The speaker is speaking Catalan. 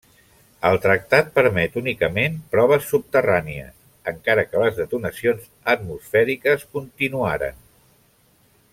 El tractat permet únicament proves subterrànies, encara que les detonacions atmosfèriques continuaren.